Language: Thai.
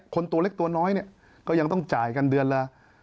ตัวเล็กตัวน้อยเนี่ยก็ยังต้องจ่ายกันเดือนละ